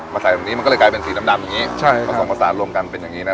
ใส่แบบนี้มันก็เลยกลายเป็นสีดำดำอย่างนี้ใช่ค่ะผสมผสานรวมกันเป็นอย่างงี้นะ